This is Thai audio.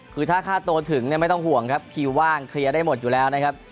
คือถ้าค่าตัวถึงไม่ต้องห่วงครับคิวว่างเคลียร์ได้หมดอยู่แล้วนะครับ